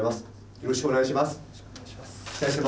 よろしくお願いします。